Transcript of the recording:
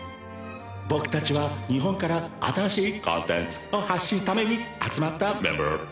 僕たちは日本から新しいコンテンツを発信ために集まったメンバー。